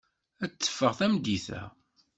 Ad teffeɣ tameddit-a.